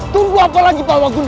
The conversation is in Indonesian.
tunggu apa lagi pak waguna